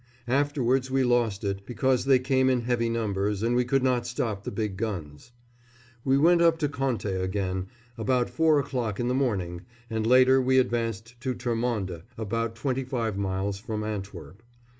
Afterwards we lost it, because they came in heavy numbers, and we could not stop the big guns. We went up to Conte again about four o'clock in the morning, and later we advanced to Termonde, about twenty five miles from Antwerp.